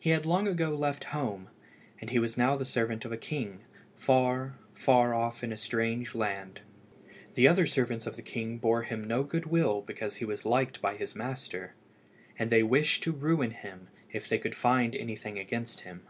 He had long ago left home, and he was now the servant of a king, far, far off in a strange land. The other servants of the king bore him no good will because he was liked by his master, and they wished to ruin him if they could find anything against him.